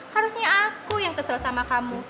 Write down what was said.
harusnya aku yang terserah sama kamu